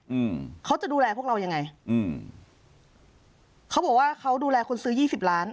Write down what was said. อืมเขาจะดูแลพวกเรายังไงอืมเขาบอกว่าเขาดูแลคนซื้อยี่สิบล้าน